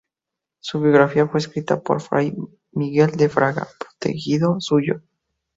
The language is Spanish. Su biografía fue escrita por fray Miguel de Fraga, protegido suyo.